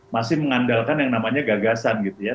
masih mengandalkan yang namanya gagasan gitu ya